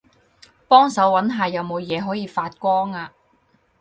幫手搵下有冇嘢可以發光吖